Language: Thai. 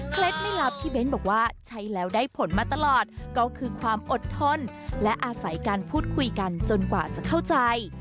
ไม่ลับที่เบ้นบอกว่าใช้แล้วได้ผลมาตลอดก็คือความอดทนและอาศัยการพูดคุยกันจนกว่าจะเข้าใจ